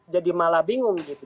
jadi malah bingung